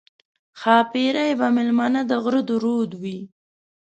ښاپېرۍ به مېلمنې د غره د رود وي